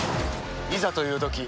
いざというとき